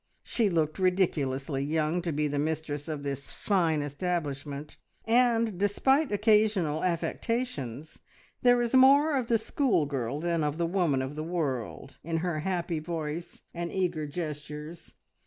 She looked ridiculously young to be the mistress of this fine establishment, and despite occasional affectations, there was more of the schoolgirl than of the woman of the world, in her happy voice and eager gestures.